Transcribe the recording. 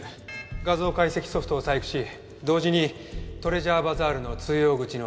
画像解析ソフトを細工し同時にトレジャーバザールの通用口のロックを解除。